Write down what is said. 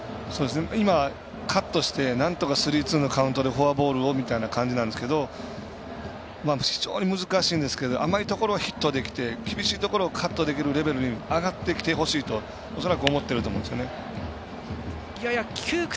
今、カットしてなんとかスリーツーのカウントでフォアボールをみたいな感じなんですけど非常に難しいんですが甘いところをヒットにできて厳しいところをカットできるレベルに上がってきてほしいと恐らく思ってると思うんですよね。